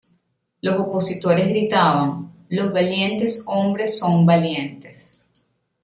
Los opositores gritaban: “Los valientes hombres son valientes.